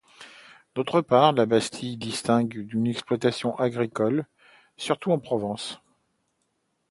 D’autre part, la bastide désigne une exploitation agricole, surtout en Provence.